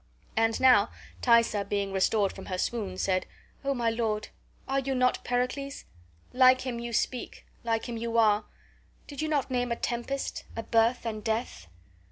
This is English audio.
And now Thaisa, being restored from her swoon, said: "O my lord, are you not Pericles? Like him you speak, like him you are. Did you not name a tempest, a birth, and death?"